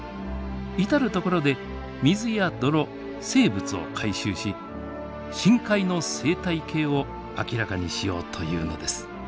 至る所で水や泥生物を回収し深海の生態系を明らかにしようというのです。